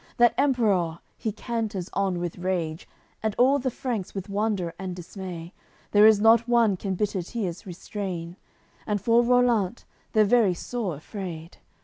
That Emperour, he canters on with rage, And all the Franks with wonder and dismay; There is not one can bitter tears restrain, And for Rollant they're very sore afraid.